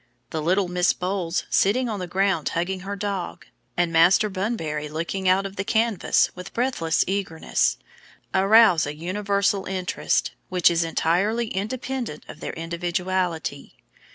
The little Miss Bowles sitting on the ground hugging her dog, and Master Bunbury looking out of the canvas with breathless eagerness, arouse a universal interest, which is entirely independent of their individuality.